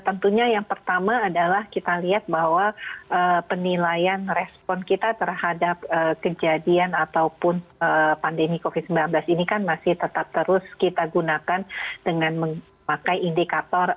tentunya yang pertama adalah kita lihat bahwa penilaian respon kita terhadap kejadian ataupun pandemi covid sembilan belas ini kan masih tetap terus kita gunakan dengan memakai indikator